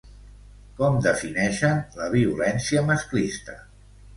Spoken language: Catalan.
Com defineixen la violència masclista?